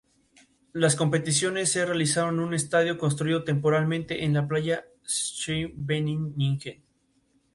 Las competiciones se realizaron en un estadio construido temporalmente en la playa de Scheveningen.